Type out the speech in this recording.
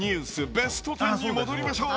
ベスト１０に戻りましょう。